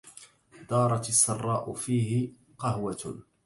دارت السراء فيه قهوة